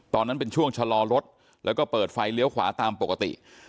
ตอนนั้นเป็นช่วงชะลอรถแล้วก็เปิดไฟเลี้ยวขวาตามปกติ